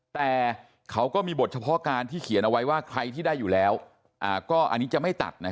แต่เขาก็มีบทเฉพาะการที่เขียนเอาไว้ว่าใครที่ได้อยู่แล้วก็อันนี้จะไม่ตัดนะ